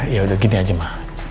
ya udah gini aja mah